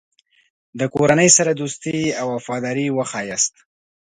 د کورنۍ سره دوستي او وفاداري وښیاست.